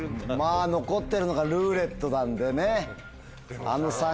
残ってるのが「ルーレット」なんでね。